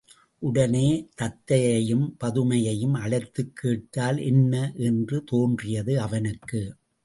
உடனே தத்தையையும் பதுமையையும் அழைத்துக் கேட்டால் என்ன? என்று தோன்றியது அவனுக்கு.